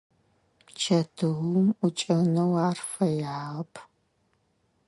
Чэтыум ӏукӏэнэу ар фэягъэп.